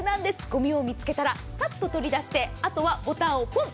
ごみを見つけたらサッと取り出してあとはボタンをポン。